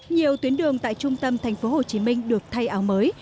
nhiều tuyến đường tại trung tâm thành phố hồ chí minh được thay áo mới